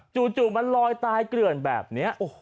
จู่มันลอยตายเกลื่อนแบบนี้